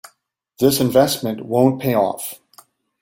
This investment won't pay off.